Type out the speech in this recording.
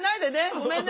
ごめんね。